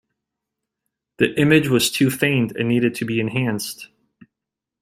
The image was too faint and needed to be enhanced.